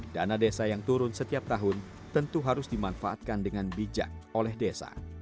dana desa yang turun setiap tahun tentu harus dimanfaatkan dengan bijak oleh desa